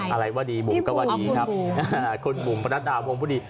อะไรว่าดีบุ๋มก็ว่าดีครับคุณบุ๋มประนัดดาวงผู้ดี